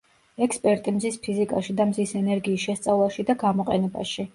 ექსპერტი მზის ფიზიკაში და მზის ენერგიის შესწავლაში და გამოყენებაში.